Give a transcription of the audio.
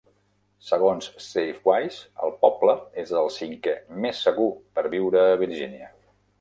Segons Safewise, el poble és el cinquè més segur per viure a Virgínia.